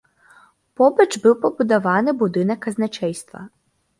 Побач быў пабудаваны будынак казначэйства.